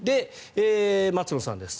松野さんです。